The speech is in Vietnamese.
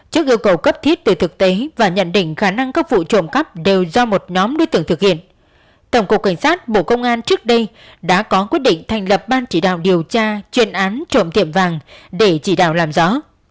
trước yêu cầu cấp thiết từ thực tế và nhận định khả năng các vụ trộm cắp đều do một nhóm đối tượng thực hiện tổng cục cảnh sát bộ công an trước đây đã có quyết định thành lập ban chỉ đạo điều tra chuyên án trộm tiệm vàng để chỉ đạo làm rõ